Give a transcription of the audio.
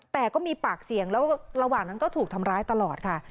แต่ก็มีปากเสียงแล้วระหว่างนั้นก็ถูกทำร้ายตลอดค่ะ